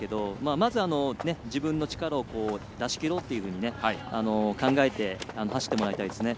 まず、自分の力を出しきろうっていうふうに考えて、走ってもらいたいですね。